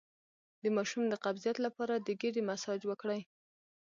د ماشوم د قبضیت لپاره د ګیډې مساج وکړئ